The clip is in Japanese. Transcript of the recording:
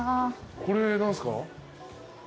これ何すか？